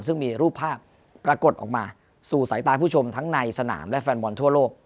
ซึ่งมีรูปภาพปรากฏออกมาสู่สายตาผู้ชมทั้งในสนามและแฟนบอลทั่วโลก